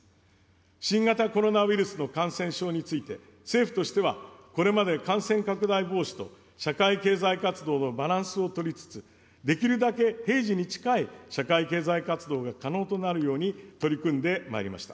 新型コロナウイルスの感染症について、政府としては、これまで感染拡大防止と社会経済活動のバランスを取りつつ、できるだけ平時に近い社会経済活動が可能となるように取り組んでまいりました。